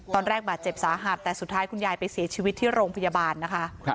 ตอนแรกบาดเจ็บสาหัสแต่สุดท้ายคุณยายไปเสียชีวิตที่โรงพยาบาลนะคะ